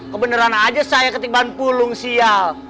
kebeneran aja saya ketikban pulung sial